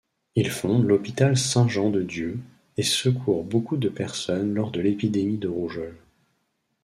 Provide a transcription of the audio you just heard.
Il fonde l'hôpital Saint-Jean-de-Dieu, et secourt beaucoup de personnes lors de l'épidémie de rougeole.